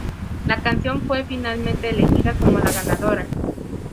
La canción fue finalmente elegida como la ganadora.